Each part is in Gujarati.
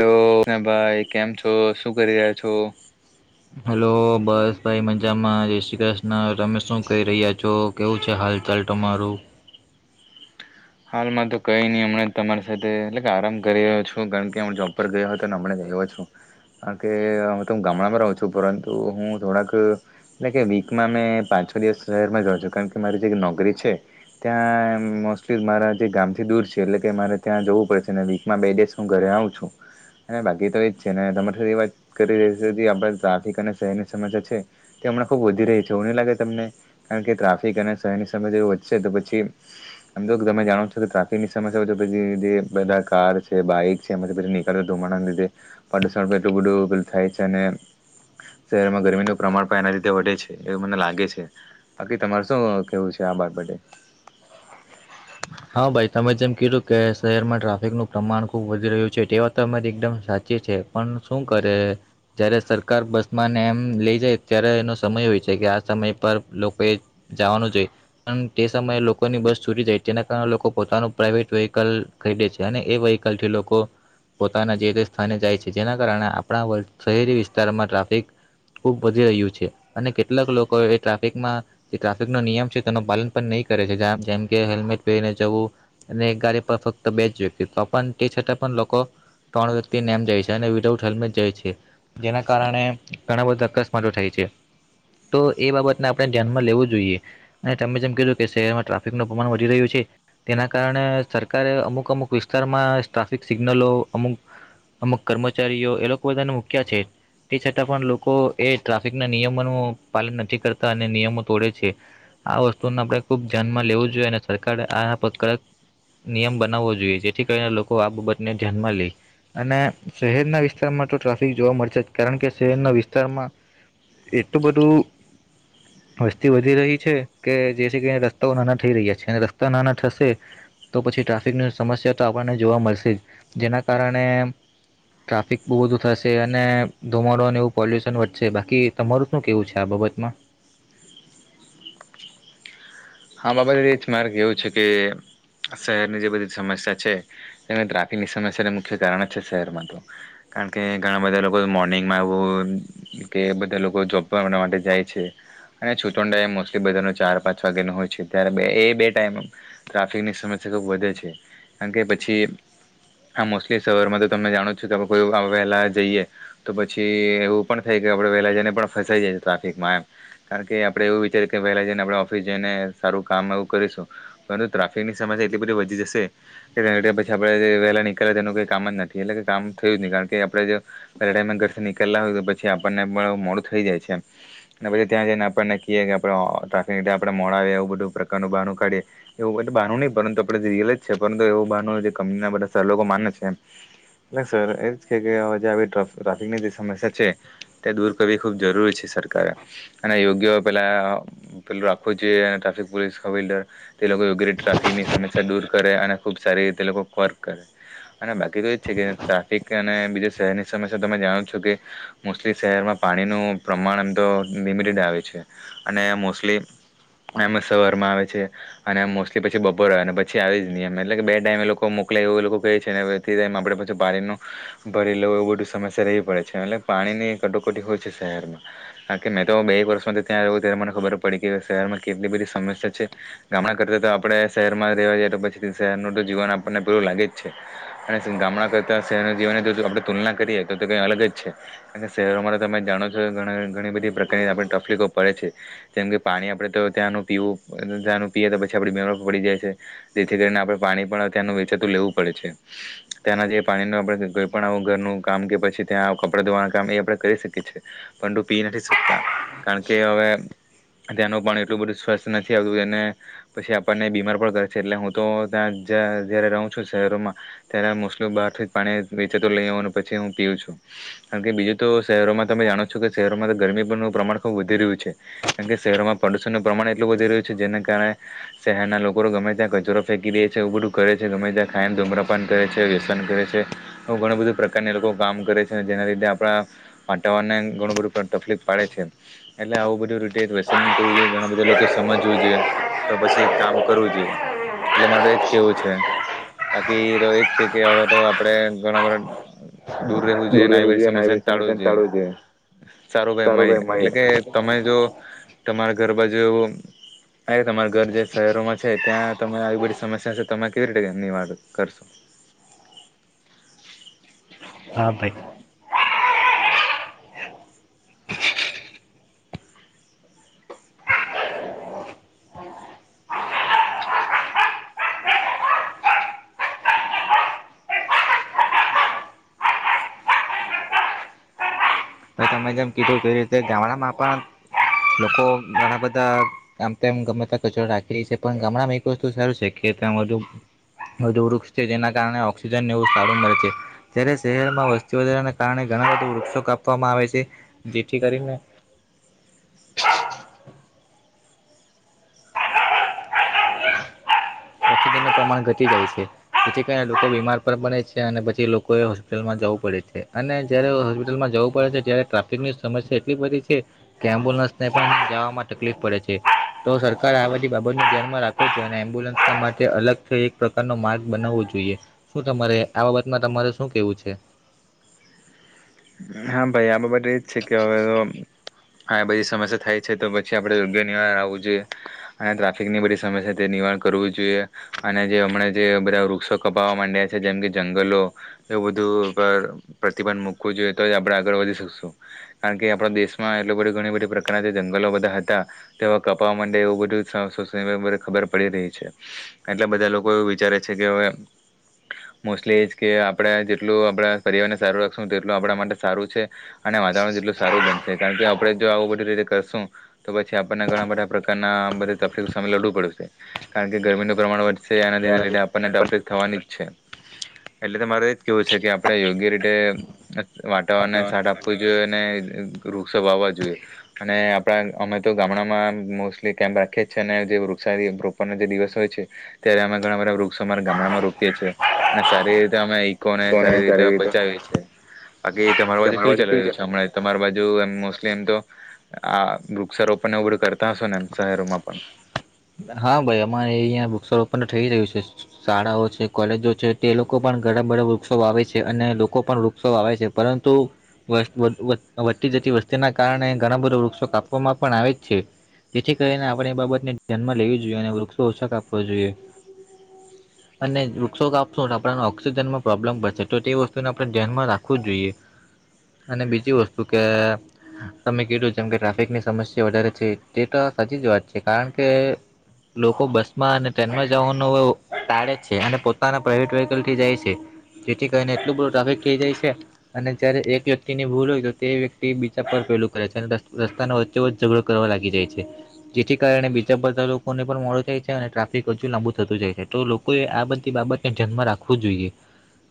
લો, હ ભાઈ કેમ છો? શું કરી રહ્યા છો? હલો, બસ ભાઈ મજામાં જય શ્રી ક્રશ્ન તમે શું કહી રહ્યા છો? કેવું છે હાલ ચાલ તમારું? હાલમાં તો કંઈ નહીં હમણાં તમારી સાથે એટલે કે આરામ કરી રહ્યો છું કારણ, કે હું જોૉબ પર ગયો હતો અને હમણાં ગ આવ્યો છું કારણ કે, હું તો હું ગામડામાં રહું છું પરંતુ હું થોડાક એટલે કે વીકમાં મેં પાંચ છો દિવસ શહેરમાં જાઉં છું કારણ કે, મારી જે નોકરી છે ત્યાં મસ્ત છે મારા જે ગામથી દૂર છે એટલે કે મારે ત્યાં જવું પડે છે અને વીકમાં બે ડેસ હું ઘરે આવું છું અને બાકી તો એ જ છે ને તમારી સાથે એ વાત કરી રહી છે જે આપણા ટ્રાફિક અને શહેરની સમસ્યા છે તે હમણાં ખૂબ વધી રહી છે એવું નહી લાગે તમને કારણ કે ટ્રાફિક અને શહેરની સમસ્યા વધશે તો પછી એમ તો તમે જાણો છો કે ટ્રાફિકની સમસ્યા હોય તો પછી જે બધા કાર છે, બાઈક છે, એમાંથી પછી નીકળ્યો ધુમાડાને લીધે પડુશણ કેટલું બઢું પેલું થાય છે, અને શહેરમાં ગરમીનું પ્રમાણ પણ એના રીતે વધે છે, એવું મને લાગે છે બાકી તમારે શું કહેવું છે આ બાબતે. હા ભાઈ તમે જેમ કીધું કે શહેરમાં ટ્રાફિકનું પ્રમાણ ખૂબ વધી રહ્યું છે તે વાત તો તમારી એકદમ સાચી છે પન શું કરે જયારે સરકાર બસમાં એમ લઇ જાય ત્યારે એનો સમય હોય છે કે આ સમય પર લોકોએ જવાનું જોઈ પણ તે સમયે લોકોની બસ છૂટી જાય જેના કારણે લોકો પોતાનું પ્રાઇવેટ વ્હીકલ ખરીદે છે અને એ વ્હીકલ થી લોકો પોતાના જે તે સ્થાને જાય છે જેના કારણે આપણા શહેરી વિસ્તારમાં ટ્રાફિક ખૂબ વધી રહ્યું છે અને કેટલાક લોકો એ ટ્રાફિકમાં જે ટ્રાફિકનો નિયમ છે તેનું પાલન પણ નહીં કરે છે જેમકે હેલ્મેટ રીને જવું અને ગાડી પર ફક્ત બે જ વ્યક્તિ તે છતાં પણ લોકો ત્રણ વ્યક્તિ નેમ જાય છે અને વિદઉટ હેલ્મેટ જાય છે જેના કારણે ઘણા બધા અકસ્માતો થાય છે તો એ બાબતને આપણે ધ્યાનમાં લેવું જોઈએ અને તમે જેમ કીધું કે શહેરમાં ટ્રાફિકનું પ્રમાણ વધી રહ્યું છે તેના કારણે સરકારે અમુક અમુક વિસ્તારમાં ટ્રાફિક સિગ્નલો અમુક અમુક કર્મચારીઓ એ લોકો બધાને મૂક્યા છે તે છતાં પણ લોકો એ ટ્રાફિકના નિયમોનું પાલન નથી કરતા અને નિયમો તોડે છે, આ વસ્તુને આપણે ખુબ ધ્યાનમાં લેવું જોઈએ અને સરકારે આના પર કડક નિયમ બનાવવો જોઈએ જેથી કરીને લોકો આ બાબતને ધ્યાનમાં લે અને શહેરના વિસ્તારમાં તો ટ્રાફિક જોવા મળશે જ કારણ કે શહેરના વિસ્તારમાં એટલું બધું વસ્તી વધી રહી છે કે, જેથી કરીને રસ્તાઓ નાના થઈ રહ્યા છે રસ્તા નાના થશે તો પછી ટ્રાફિકની સમસ્યા તો આપણને જોવા મળશે જ જેના કારણે ટ્રાફિક બહુ થશે અને ધુમાડોને એવું પોલ્યુશન વધશે બાકી તમારું શું કેવું છે આ બાબતમાં. હા બાબા દ એ જ મારે કેવું છે કે શહેરની જે બધી સમસ્યા છે તેને ટ્રાફિકની સમસ્યાને મુખ્ય કારણ જ છે શહેરમાં તો કારણ કે ઘણા બધા લોકો મોર્નિંગમાં આવું કે બધા લોકો જોબ પણ એણા માટે જાય છે અને છૂટવાન મોસ્ટલી બધાનો ચાર પાંચ વાગ્યાનો હોય છે ત્યારે બે એ બે ટાઈમ ટ્રાફિકની સમસ્યા ખૂબ વધે છે કારણ કે પછી આ મોસ્ટલી શહેરમાં તો તમને જાણું છું કે આપણે કોઈ વહેલાં જઈએ તો પછી એવું પણ થાય કે આપણે વહેલાં જઈને પણ ફસાઈ જાય છે ટ્રાફિકમાં એમ કારણ કે આપણે એવું વિચારીએ કે વહેલાં જઈને આપણે ઓફિસ જઈને સારું કામ એવું કરીશું પરંતુ ટ્રાફિકની સમસ્યા એટલી બધી વધી જશે કે પછી આપણે જે વહેલાં નીકળ્યા તેનું કંઈ કામ જ નથી એટલે કે કામ થયું જ નહીં કારણ કે આપણે જો પહેલા ટાઈમમાં ઘરથી નીકળલા હોય તો પછી આપણને પણ મોડું થઈ જાય છે અને પછી ત્યાં જઈને આપણને કહીએ કે આપણે ટ્રાફિક આપણે મોડા આવે એવું બઢુ પ્રકારનું બાનું કાઢીએ એવું બઢુ નહી પરંતુ આપડે જે રિયલ જ છે પરંતુ, એવું બાનું જે કંપનીના બધા સર લોકો માને છે એમ એ સર એજ ટ્રાફિકની જે સમસ્યા છે તે દૂર કરવી ખૂબ જરૂરી છે સરકારે, અને યોગ્ય પેલા પેલું રાખવું જોઈએ ટાફિક પોલીસ કવિલ્ડર તે લોકો યોગ્ય ટ્રાફિકની સમસ્યા દૂર કરે અને ખૂબ સારી તે લોકો કર્ક કરે અને બાકી તો એ જ છે કે ટ્રાફિક અને બીજું શહેરની સમસ્યા તમે જાણો છો કે મોસ્ટલી શહેરમાં પાણીનું પ્રમાણ એમ તો લિમિટેડ આવે છે અને મોસ્ટલી એમ શહેરમાં આવે છે અને મોસ્ટલી પછી બપોર અને પછી આવી જ નિયમ એટલે કે બે ટાઈમે એ લોકો મોકલાય એવું એ લોકો કહે છે અને તે ટાઈમ આપણે પછી પાણીનું ભરી લવું એવું બધું સમસ્યા રહેવી પડે છે એટલે પાણીની કટોકટી હોય છે શહેરમાં કારણ કે મેં તો બે એક વર્ષમાંથી ત્યાં રહું ત્યારે મને ખબર પડી કે શહેરમાં કેટલી બધી સમસ્યા છે ગામડા કરતાં તો આપણે શહેરમાં જ રહેવા જઈએ તો પછી શહેરનું તો જીવન આપણને પેલું લાગે જ છે, અને ગામડા કરતાં શહેરનું જીવનને જો આપણે તુલના કરીએ તો તો કઈ અલગ જ છે, કારણ કે શહેરોમાં તો તમે જાણો છો ઘણી બધી પ્રકારની આપણે તકલીફો પડે છે, જેમ કે પાણી આપણે તો ત્યાંનું પીવું તંનું પીએ તો પછી આપણી બીમાર પડી જાય છે જેથી કરીને આપણે પાણી પણ ત્યાંનું વેચાતું લેવું પડે છે, ત્યાંના જે પાણીનું આપણે કોઈ પણણ આવું ઘરનું કામ કે પછી ત્યાં કપડાં ધોવાનું કામ એ આપણે કરી શકીએ છીએ પણ તું પી નથી શકતા, કારણ કે હવે તયાંનું પણ એટલું બધું સ્વસ્થ નથી આવતું અને પછી આપણને બીમાર પણ કરે છે એટલે હું તો ત્યાં જ્યાં જ્યારે રહું છું શહેરોમાં ત્યારે મોસ્ટલી બહારથી જ પાણી વેચેતો લઈ આવઉં અને પછી હું પીઉું છું કારણ કે બીજું તો શહેરોમાં તમે જાણો છો કે શહેરોમાં તો ગરમીનું પ્રમાણ ખૂબ વધી રહ્યું છે કારણ કે શહેરોમાં પ્રદુષણનું પ્રમાણે એટલું વધી રહ્યું છે જેના કારણે શહેરના લોકો ગમે ત્યાં કચરો ફેંકી દે છે એવું બધું કરે છે ગમે ત્યાં ખાયમ ધૂમ્રપાન કરે છે વ્યસન કરે છે ઘણું બધું પ્રકારના લોકો કામ કરે છે જેના લીધે આપણા વાતાવરણને ઘણું બધું તકલીફ પાડે છે એટલે આવું બધું રીતે વ્યસન કરવું જોઈએ ઘણા બધા લોકો કોઈ સમજવું જોઈએ તો પછી કામ કરવું જોઈએ એટલે મારે એ જ કેહેવું છે બાકી તો એ જ છે કે હવે તો આપણે ઘણા બધા દૂર રહેવું જોઈએ, આવી બધી સમસ્યા ને ટાળવ જોઈએ સારો ભાઈ તારું મળય મારી એટલે કે તમે જો તમારે ગરબ જોઓ. અ તમાર ઘર જે શહેરોમાં છે ત્યાં તમે આવી બધી સમસ્યા છે તમે કેવી રીતે નિવાર કરશો? હા ભાઈ. હ તમે જેમ કીધું તે રીતે ગામડામાં પણ લોકો ઘણા બધા ગમ તેમ ગમેતા કચરો રાખી છે પણ ગામડામાં એક વસ્તુ સારું છે કે વધુ વધુ વૃક્ષ છે જેના કારણે ઓક્સિજનને એવું સારું મળે છે, ત્યારે શહેરમાં વસ્તી વધારાને કારણે ઘણા બધા વૃક્ષો કાપવામાં આવે છે. તે જેથી કરી કરીને. ઓક્સિજનનું પ્રમાણ ઘટી જાય છે જેથી કરીને લોકો બીમાર પણ પડ છે અને પછી લોકોએ હોસ્પિટલમાં જવું પડે છે અને જ્યારે હોસ્પિટલમાં જવું પડે છે ત્યારે ટ્રાફિકની સમસ્યા એટલી બધી છે કે એમ્બ્યુલન્સને પણ જવામાં તકલીફ પડે છે તો સરકાર આ બધી બાબતને ધ્યાનમાં રાખો છે અને એમ્બ્યુલન્સના માટે અલગ એક પ્રકારનો માર્ગ બનાવવો જોઈએ, શું તમારે આ બાબતમાં તમારે શું કેવું છે. હા ભાઈ આ બાબત એ જ છે કે હવે આ બધી સમસ્યા થાય છે તો પછી આપણે યોગ્ય નિવારણ આવવું જોઈએ અને ટ્રાફિકની બધી સમસ્યા તે નિવારણ કરવું જોઈએ અને જે હમણાં જે બધા વૃક્ષો કપાવવા માંડ્યા છે જેમ કે જંગલો એવું બધું પર પ્રતિબંધ મૂકવું જોઈએ. તો આપણે આગળ વધી શકશું કારણ કે આપણા દેશમાં એટલ બધ ઘણી બધી પ્રકારના જે જંગલો બધા હતા, તેવા કપાવા માટે એવું બધું ખબર પડી રહી છે એટલા બધા લોકો એવું વિચારે છે કે હવે મોસ્ટલી એ જ કે આપણે જેટલું આપણા પરિવારને સારું રાખશું તેટલું આપણા માટે સારું છે અને વાતાવરણ જેટલું સારું બનશે કારણ કે આપડે જો આવું બધી રીતે કરશું તો પછી આપણને ઘણા બધા પ્રકારના આ બધ તકલીફ સામે લડવું પડ્યુંશે કારણ કે ગરમીનું પ્રમાણ વધશે અનેના તેના લીધે આપણને તફલીફ થવાની જ છે. એટલે તો મારે એજ કેહેવું છે કે આપડે યોગ્ય રીતે અ વાતાવરણને સાટ આપવું જોઈએ અને વૃક્ષો વાવવા જોઈએ અને આપડા અમે તો ગામડામાં મોસ્ટલી કેમ્પ રાખીએ છીએ અને જે વૃક્ષ રોપવાનો જે દિવસ હોય છે ત્યારે અમે ઘણા બધા વૃક્ષો અમારા ગામડામાં રોપીએ છીએ અને સારી રીતે અમે કોને સારી રીતે બચાવીએ છે. આગે તમારું બાજે તમારી કેવું બાજુ ચલી રહ્યું છે ચાલે હમણા તમાર બાજ જો એમ મોસ્ટલી એમ તો આ વૃક્ષારોપણ ને આવું બધું કરતા હશો ને એમ શહેરોમાં પણ? હા, ભાઈ અમારે અહીંયા વૃક્ષારોપણ થઈ રહ્યું છે. શાળાઓ છે, કોલેજો છે તે લોકો પણ ઘણા બધા વૃક્ષો આવે છે અને લોકો પણ વૃક્ષો આવે છે પરંતુ વસ વધ વધતી જતી વસ્તીના કારણે ઘણા બધા વૃક્ષો કાપવામાં પણ આવે જ છે જેથી કરીને આપડે એ બાબતને જન્મ લેવી જોઈએ અને વૃક્ષો ઓછા કાપવો જોઈએ. અને વૃક્ષો કાપશું આપણને ઓક્સિજનમાં પ્રોબ્લેમ પડશે તો તે વસ્તુને આપડે ધ્યાનમાં રાખવું જ જોઈએ અને બીજી વસ્તુ કે તમે કીધું જેમ કે ટ્રાફિકની સમસ્યા વધારે છે તે તો સાચી જ વાત છે કારણ કે લોકો બસમાં અને ટ્રેનમાં જવાનું ટાળે છે અને પોતાના પ્રઇવેટ વ્હકલ થી જાય છે જેથી કરીને એટલું બું ટ્રાફિક થઈ જાય છે અને જયારે એક વ્યક્તિની ભૂલ હોય તો તે વ્યક્તિ બીજા પર પેલું કરે છે અને રસ્તાનો વચ્ચે વચચ ઝઘડો કરવા લાગી જાય છે જેથી કારણે બીજા બધાં લોક ફોને પણ મોડો થાય છે અને ટ્રાફિક હજુ લાંબુ થતું જાય છે. તો લોકોએ આ બધી બાબતને ધ્યાનમાં રાખવું જોઈએ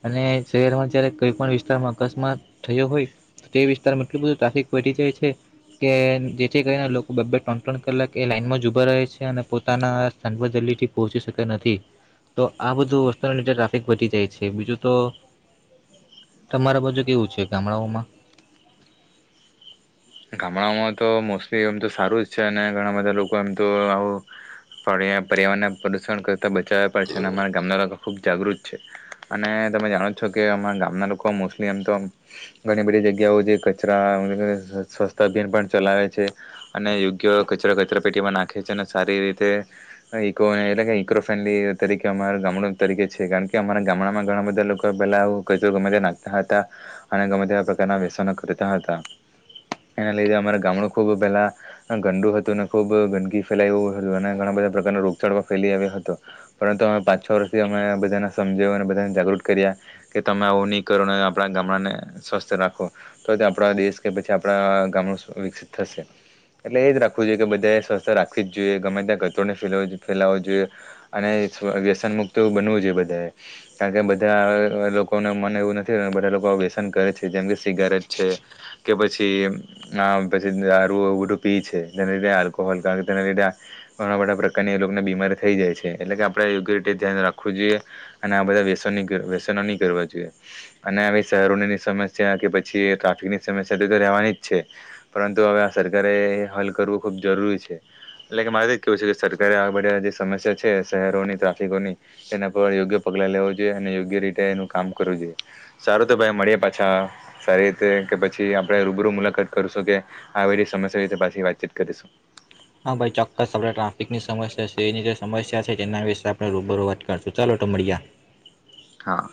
અને શહેરમાં જયારે કઈ પણ વિસ્તારમાં અકસ્માત થયો હોય તો તે વિસ્તારમાં એટલું બધું ટ્રાફિક ઘટી જાય છે કે જેથી કરીને લોકો બે બે ત્રણ ત્રણ કલાક એ લાઈનમાં જ ઊભા રહે છે અને પોતાના સાવા જલ્દીથી પહોંચી શક નથી તો આ બધું વસ્તુને લીધે ટ્રાફિક વધી જાય છે બીજું તો તમારા બાજુ કેવું છે ગામડાઓમાં? ગામડાઓમાં તો મોસ્ટલી એમ તો સારું જ છે અને ઘણા બધા લોકો એમ તો આવું પર્યા પર્યાવરણને પ્રદુષણ કર તા બચાવા પાછા ને અમારા ગામના લોકો ખૂબ જાગૃત છે અને તમે જાણો છો કે અમારા ગામના લોકો મોસ્ટલી એમ તો ઘણી બધી જગ્યાઓ જે કચરા એ એ સ્વસ થા અભિયાન પણ ચલાવે છે. અને યોગ્ય કચરો કચરા પેટીમાં નાખે છે અને સારી રીતે ઇકો એટલે કે ઇકો ફ્રેન્ડલી તરીકે અમારા ગામડું તરીકે છે કારણ કે અમારા ગામડામાં ઘણા બધા લોકો પહેલાં કચરો ગમેતે નાખતા હતા અને ગમેત આ પ્રકારનાં વ્યસનો કરતા હતા એના લીધે અમારા ગામડું ખૂબ પહેલાં ગંદુ હતું અને ખૂબ ગંદકી ફેલાયું હતું અને ઘણા બધા પ્રકારનો રોગચાળો ફેલી આવ્યો હતો પરંતુ અમે પાંચ છ વર્ષથી અમે બધાને સમજ્યો અને બધાને જાગૃત કર્યા કે તમે આવું નહીં કરો આપડા ગામડાને સ્વસ્થ રાખો તો તે આપડા દેશ કે પછી આપડા ગામડું વિકસિત થશે એટલે એ જ રાખવું જોઈએ કે બધાએ સ્વસ્થ રાખવી જ જોઈએ ગમે ત્યાં ગતરને ફેલાવવો જોઈએ અને વ્યસન મુક્ત બનવું જોઈએ બધાએ કારણ કે બધા લોકોને મને એવું નથી બધા લોકો વ્યસન કરે છે જેમ કે સિગારેટ છે કે પછી પછી પછી દારું બધું પી છે જેના લીધે આલ્કોહોલ ક તેના લીધે ઘણા બધા પ્રકારની એ લોકોને બીમારી થઈ જાય છે એટલે કે આપડે યુગ્યિટી ધ્યાન રાખવું જોઈએ અને આ બધા વ્યસ વ્યસનો નહીં કરવા જોઈએ અને આવી શહેરોની ની સમસ્યા કે પછી ટ્રાફિકની સમસ્યા રવાની જ છે પરંતુ હવે આ સરકારે હલ કરવું ખૂબ જરૂરી છે એટલે કે મારે જ કેવું છે કે સરકારે આ બધ જે સમસ્યા છે શહેરોની ટ્રાફિકોની એના પર યોગ્ય પગલા લેવો જોઈએ અને યોગ્ય રીતે એનું કામ કરવું જોઈએ સારું તો ભાઈ મળી પાછા સારી રીતે કે પછ છી આપડે રૂબરૂ મુલાકાત કરશું કે આ બધી સમસ્યા વિશે પાછી વાતચીત કરીશું. હા, ભાઈ ચોક્કસ આપણે ટ્રાફિકની સમસ્યા છે એની જે સમસ્યા છે તેના વિશે આપડે રૂબરૂ વાત કરશું ચાલો તો મળીયા. હા.